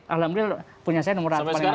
alhamdulillah punya saya nomor satu paling besar